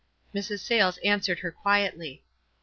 Mrs. Sayies answered her quietly.